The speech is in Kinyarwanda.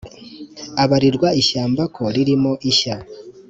abarirwa ishyamba ko ririmo ishya